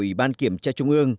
ủy ban kiểm tra trung ương